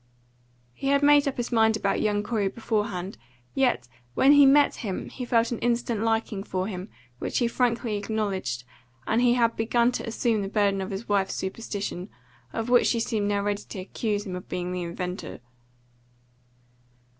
He had made up his mind about young Corey beforehand; yet when he met him he felt an instant liking for him, which he frankly acknowledged, and he had begun to assume the burden of his wife's superstition, of which she seemed now ready to accuse him of being the inventor.